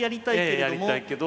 ええやりたいけど。